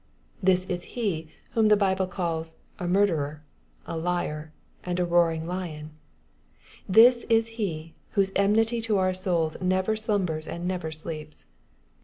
This is he, whom the Bible calla a "murderer," a " liar," and a " roaring lion." This is he, whose enmity to our souls never slumbers and never sleeps.